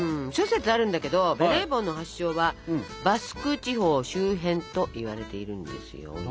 諸説あるんだけどベレー帽の発祥はバスク地方周辺といわれているんですよ。